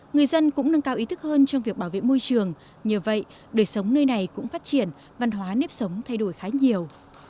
người dân cũng nâng cao ý thức hơn trong việc bảo vệ môi trường nhờ vậy đời sống nơi này cũng phát triển văn hóa nếp sống thay đổi khá nhiều